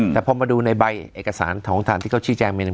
แต่พอมาดูในใบเอกสารของทางภาระที่เค้าชิคแจงไปมี